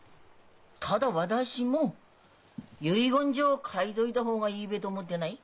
ただ私も遺言状書いといた方がいいべと思ってない。